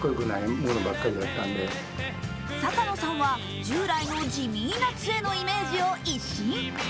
坂野さんは従来の地味なつえのイメージを一新。